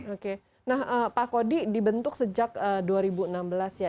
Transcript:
oke nah pak kodi dibentuk sejak dua ribu enam belas ya